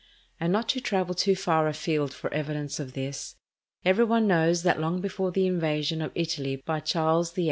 And not to travel too far afield for evidence of this, every one knows that long before the invasion of Italy by Charles VIII.